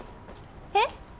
えっ？